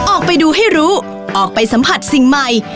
ออกไปดูให้รู้ออกไปสัมผัสสิ่งใหม่